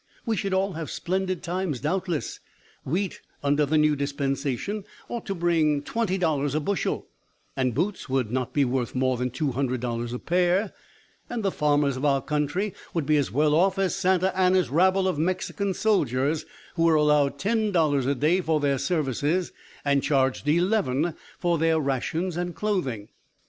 We should all have splendid times doubtless! Wheat, under the new dispensation, ought to bring twenty dollars a bushel, and boots would not be worth more than two hundred dollars a pair, and the farmers of our country would be as well off as Santa Anna's rabble of Mexican soldiers, who were allowed ten dollars a day for their services and charged eleven for their rations and clothing.